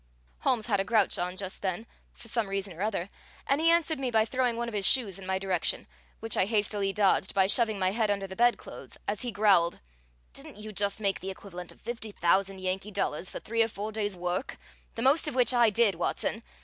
Holmes had a grouch on just then, for some reason or other, and he answered me by throwing one of his shoes in my direction, which I hastily dodged by shoving my head under the bedclothes as he growled: "Didn't you just make the equivalent of fifty thousand Yankee dollars for three or four days' work, the most of which I did, Watson?